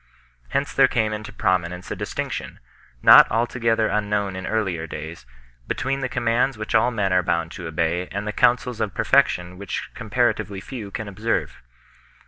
Hence there came into prominence a distinction, not altogether un known in earlier days, between the commands which all men are bound to obey and the counsels of perfection which comparatively few can observe.